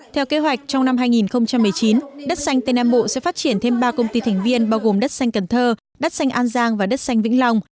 theo kế hoạch trong năm hai nghìn một mươi chín đất xanh tây nam bộ sẽ phát triển thêm ba công ty thành viên bao gồm đất xanh cần thơ đất xanh an giang và đất xanh vĩnh long